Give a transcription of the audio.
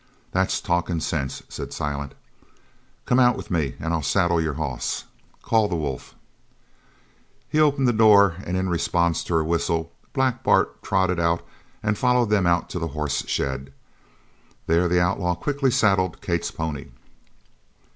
"That's talkin' sense," said Silent. "Come out with me an' I'll saddle your hoss. Call the wolf." He opened the door and in response to her whistle Black Bart trotted out and followed them out to the horse shed. There the outlaw quickly saddled Kate's pony.